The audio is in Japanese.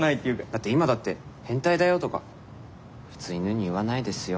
だって今だって「変態だよ」とか普通犬に言わないですよ。